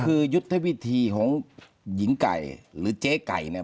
คือยุทธวิธีของหญิงไก่หรือเจ๊ไก่เนี่ย